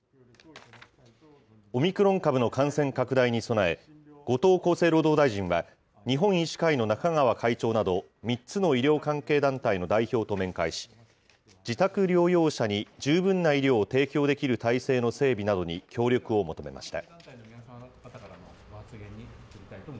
オミクロン株の感染拡大に備え、後藤厚生労働大臣は、日本医師会の中川会長など、３つの医療関係団体の代表と面会し、自宅療養者に十分な医療を提供できる体制の整備などに協力を求めました。